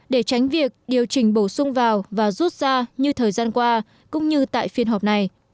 để tránh việc điều chỉnh bổ sung vào và rút ra như thời gian qua cũng như tại phiên họp này